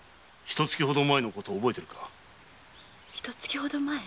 ひと月ほど前？